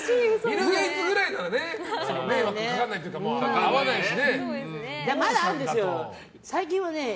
ビル・ゲイツくらいなら迷惑かからないけど会わないしね。